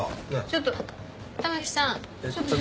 ちょっと。